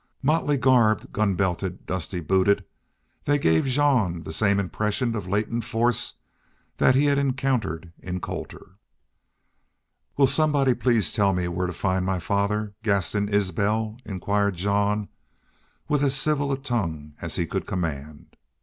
Motley garbed, gun belted, dusty booted, they gave Jean the same impression of latent force that he had encountered in Colter. "Will somebody please tell me where to find my father, Gaston Isbel?" inquired Jean, with as civil a tongue as he could command.